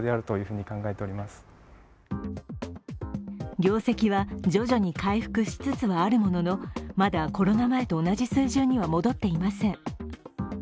業績は徐々に回復しつつはあるものの、まだコロナ前と同じ水準には戻っていません。